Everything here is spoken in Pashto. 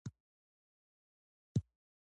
په نړیوالو چېنلونو کې خبري سرویسونه.